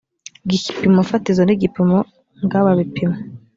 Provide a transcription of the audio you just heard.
igipimo fatizo n’igipimo ngababipimo